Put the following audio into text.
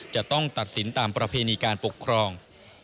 จะต้องตัดสินตามประเพณีการปกครอง